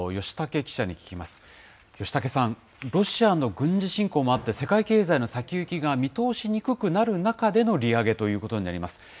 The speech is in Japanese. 吉武さん、ロシアの軍事侵攻もあって、世界経済の先行きが見通しにくくなる中での利上げということになります。